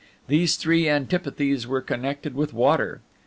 These three antipathies were connected with water.